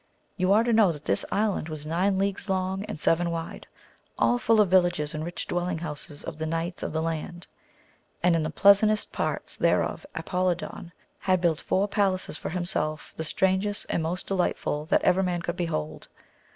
You are to know that this island was nine leagues long and seven wide, all full of villages and rich dwelling houses of the knights of the land. And in the pleasantest parts thereof Apolidon had built four palaces for himself, the strangest and most delightful that ever man could behold.